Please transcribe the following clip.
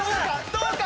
どうか？